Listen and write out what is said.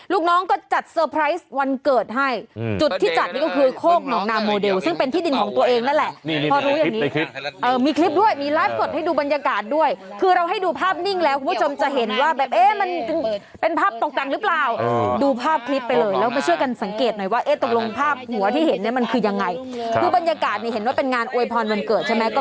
ลูกน้องก็จัดเซอร์ไพรส์วันเกิดให้จุดที่จัดนี้ก็คือโค้กหนังนามโมเดลซึ่งเป็นที่ดินของตัวเองนั่นแหละ